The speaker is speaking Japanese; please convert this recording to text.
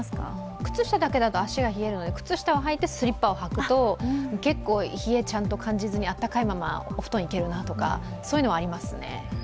靴下だけだと足が冷えるので、靴下をはいてスリッパをはくと結構冷えをちゃんと感じずにあったかいままお布団に行けるなとか、そういうのはありますね。